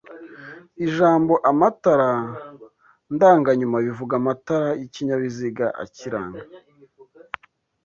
Ijambo amatara ndanganyuma bivuga amatara y'ikinyabiziga akiranga